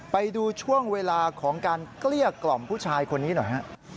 ไปดูช่วงเวลาของการเกลี้ยกล่อมผู้ชายคนนี้หน่อยฮะ